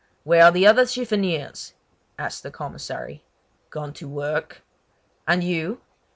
"Where are the other chiffoniers?" asked the commissary. "Gone to work." "And you?"